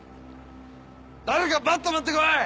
誰かバット持ってこい！